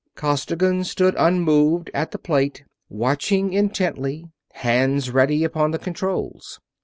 Costigan stood unmoved at the plate, watching intently; hands ready upon the controls.